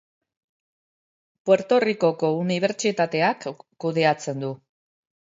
Puerto Ricoko Unibertsitateak kudeatzen du.